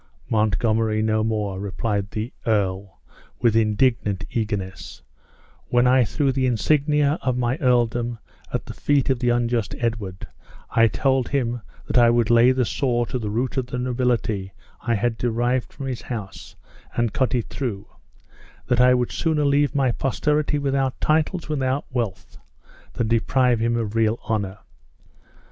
"Montgomery no more!" replied the ear, with indignant eagerness; "when I threw the insignia of my earldom at the feet of the unjust Edward, I told him that I would lay the saw to the root of the nobility I had derived from his house, and cut it through; that I would sooner leave my posterity without titles and without wealth, than deprive them of real honor.